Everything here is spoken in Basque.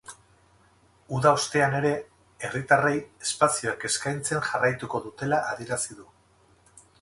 Uda ostean ere, herritarrei espazioak eskaintzen jarraituko dutela adierazi du.